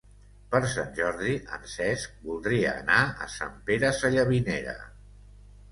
Per Sant Jordi en Cesc voldria anar a Sant Pere Sallavinera.